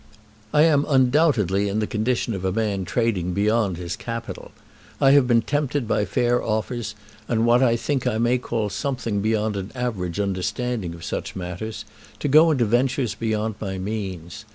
I am undoubtedly in the condition of a man trading beyond his capital. I have been tempted by fair offers, and what I think I may call something beyond an average understanding of such matters, to go into ventures beyond my means.